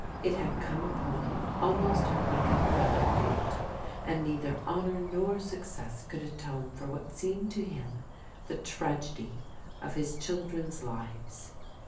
It had come upon him almost like a thunderbolt, and neither honour nor success could atone for what seemed to him the tragedy of his children's lives.